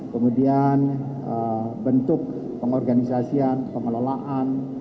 kemudian bentuk pengorganisasian pengelolaan